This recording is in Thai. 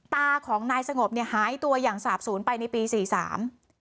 ตาของนายสงบเนี่ยหายตัวอย่างสาบศูนย์ไปในปีสี่สาม